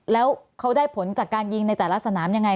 แล้วเขาได้ผลจากการยิงในแต่ละสนามยังไง